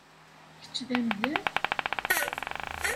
Kečč d amdan?